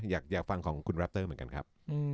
อยากฟังของคุณแรปเตอร์เหมือนกันครับ